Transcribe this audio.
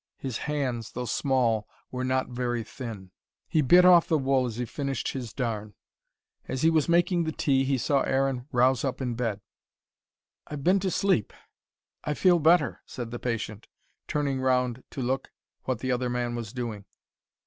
His hands, though small, were not very thin. He bit off the wool as he finished his darn. As he was making the tea he saw Aaron rouse up in bed. "I've been to sleep. I feel better," said the patient, turning round to look what the other man was doing.